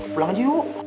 pulang aja yuk